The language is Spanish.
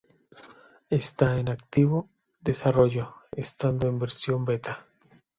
Está en activo desarrollo, estando en versión beta.